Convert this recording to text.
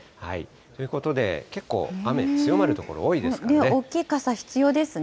ということで、結構雨、強まる所、大きい傘、必要ですね。